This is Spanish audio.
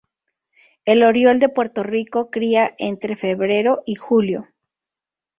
El oriol de Puerto Rico cría entre febrero y julio.